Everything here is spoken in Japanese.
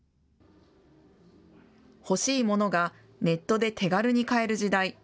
欲しいものがネットで手軽に買える時代。